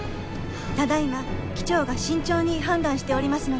ただ今機長が慎重に判断しておりますので。